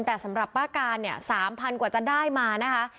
แต่สำหรับป้าการเนี่ย๓๐๐กว่าจะได้มานะคะ